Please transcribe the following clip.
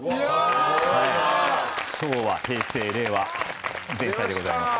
昭和・平成・令和前菜でございます。